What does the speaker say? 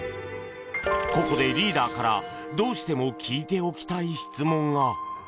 ここでリーダーからどうしても聞いておきたい質問が！